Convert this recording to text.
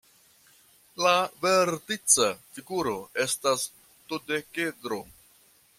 La vertica figuro estas dudekedro.